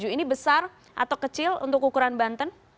tujuh ini besar atau kecil untuk ukuran banten